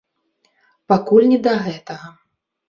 Пакуль не да гэтага.